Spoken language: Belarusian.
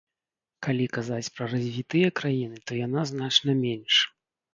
Калі казаць пра развітыя краіны, то яна значна менш.